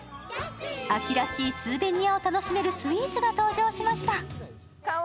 秋らしいスーベニアを楽しめるスイーツが登場しました。